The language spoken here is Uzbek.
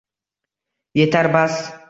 Yetar! Bas!